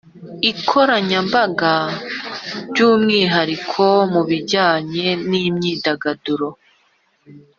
ikoranyambaga by’umwihariko mu bijyanye n’imyidagaduro